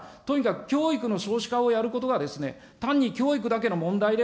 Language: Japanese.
だからとにかく教育の少子化をやることが、単に教育だけの問題で